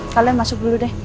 kalian masuk dulu deh